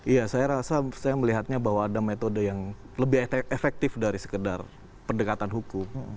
iya saya rasa saya melihatnya bahwa ada metode yang lebih efektif dari sekedar pendekatan hukum